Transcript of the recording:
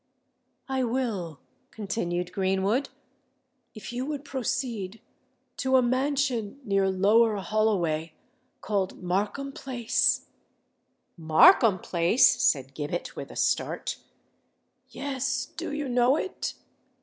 "I will," continued Greenwood. "If you would proceed to a mansion near Lower Holloway, called Markham Place——" "Markham Place!" said Gibbet, with a start. "Yes—do you know it?"